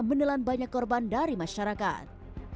menelan banyak korban dari masyarakat